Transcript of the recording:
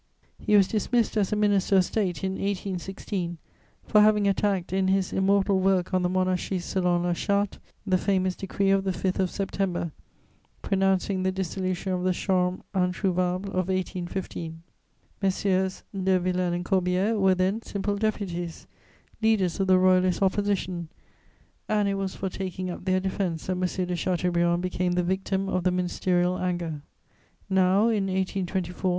"He was dismissed as a minister of State, in 1816, for having attacked in his immortal work on the Monarchie selon la Charte, the famous decree of the 5th of September, pronouncing the dissolution of the Chambre introuvable of 1815. Messieurs de Villèle and Corbière were then simple deputies, leaders of the Royalist Opposition, and it was for taking up their defense that M. de Chateaubriand became the victim of the ministerial anger. "Now, in 1824, M.